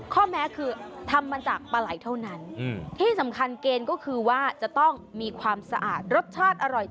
แม้คือทำมาจากปลาไหล่เท่านั้นที่สำคัญเกณฑ์ก็คือว่าจะต้องมีความสะอาดรสชาติอร่อย